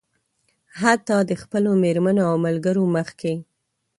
حتيٰ د خپلو مېرمنو او ملګرو مخکې.